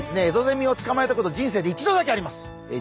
エゾゼミをつかまえたこと人生で一度だけあります。